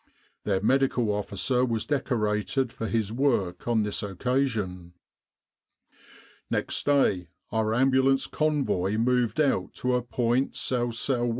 Their Medical Officer was decorated for his work on this occasion. "Next day our Ambulance Convoy moved out to a point S.S.W.